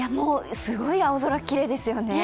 すごい青空、きれいですよね。